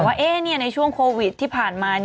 ว่าในช่วงโควิดที่ผ่านมา